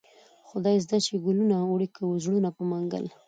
خداى زده چې گلونه وړې كه زړونه په منگل